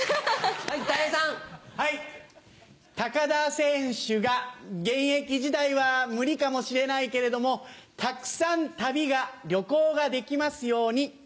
田選手が現役時代は無理かもしれないけれどもたくさん旅が旅行ができますように。